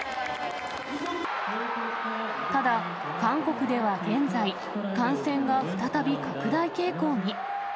ただ、韓国では現在、感染が再び拡大傾向に。